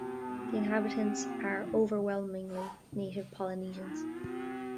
The inhabitants are overwhelmingly native Polynesians.